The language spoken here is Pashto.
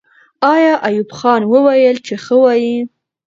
آیا ایوب خان وویل چې ښه وایي؟